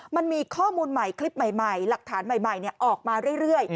มันมีข้อมูลใหม่คลิปใหม่หลักฐานใหม่ออกมาเรื่อย